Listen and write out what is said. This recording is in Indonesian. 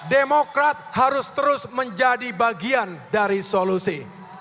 demokrat harus terus menjadi bagian dari solusi